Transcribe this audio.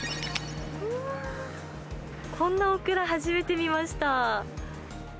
こんなオクラ初めて見ました。